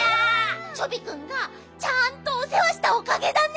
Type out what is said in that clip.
チョビくんがちゃんとおせわしたおかげだね。